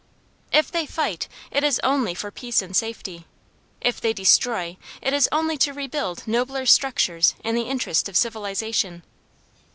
If they fight, it is only for peace and safety. If they destroy, it is only to rebuild nobler structures in the interest of civilization.